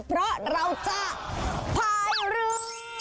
เพราะเราจะพายเรือ